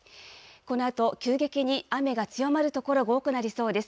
このあと急激に雨が強まる所が多くなりそうです。